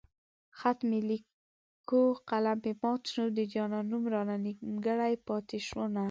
خط مې ليکو قلم مې مات شو د جانان نوم رانه نيمګړی پاتې شونه